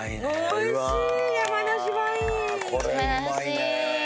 おいしい！